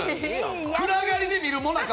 暗がりで見るもなか